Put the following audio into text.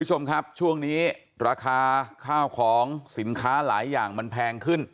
คุณผู้ชมครับช่วงนี้ราคาข้าวของสินค้าหลายอย่างมันแพงขึ้น